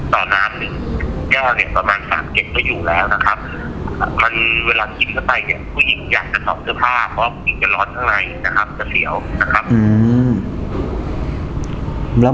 ตอนนั้นเราประมาณสามเจ็ดก็อยู่แล้ว